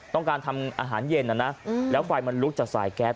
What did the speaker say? ต้องการทำอาหารเย็นนะนะแล้วไฟมันลุกจากสายแก๊ส